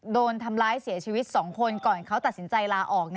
โดนทำร้ายเสียชีวิต๒คนก่อนเขาตัดสินใจลาออก